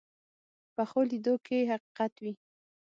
پخو لیدو کې حقیقت وي